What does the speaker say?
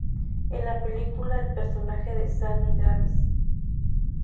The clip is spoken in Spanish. En la película, el personaje de Sammy Davis, Jr.